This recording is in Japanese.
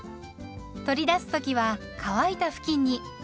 取り出す時は乾いた布巾に。